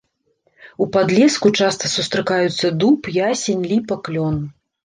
У падлеску часта сустракаюцца дуб, ясень, ліпа, клён.